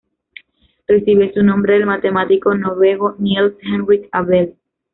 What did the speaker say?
Recibe su nombre del matemático noruego Niels Henrik Abel.